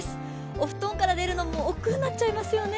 お布団から出るのもおっくうになっちゃいますよね。